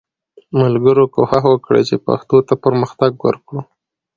ملګرو کوښښ وکړئ چې پښتو ته پرمختګ ورکړو